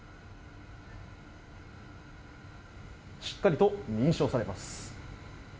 しっかりと認証されます。